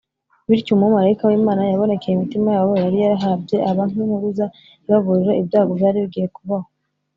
bityo, umumarayika w’imana yabonekeye imitima yabo yari yahabye aba nk’impuruza ibaburira ibyago byari bigiye kubaho.